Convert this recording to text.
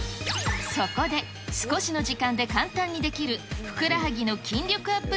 そこで少しの時間で簡単にできるふくらはぎの筋力アップ